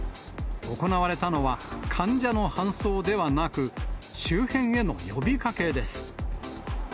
行われたのは、患者の搬送ではなく、周辺への呼びかけです。